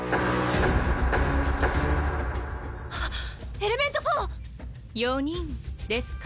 エレメント４！４人ですか。